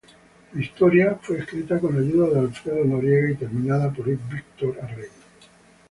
La historia fue escrita con ayuda de Alfredo Noriega y terminada por Víctor Arregui.